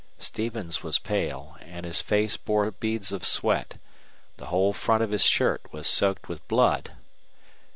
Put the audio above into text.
Stevens was pale, and his face bore beads of sweat. The whole front of his shirt was soaked with blood.